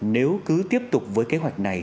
nếu cứ tiếp tục với kế hoạch này